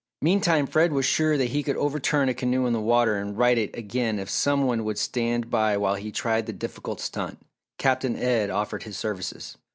Meantime Fred was sure that he could overturn a canoe in the water and right it again if some one would stand by while he tried the difficult stunt. Captain Ed offered his services.